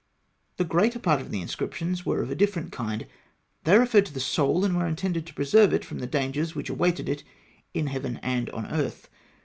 The greater part of the inscriptions were of a different kind. They referred to the soul, and were intended to preserve it from the dangers which awaited it, in heaven and on earth.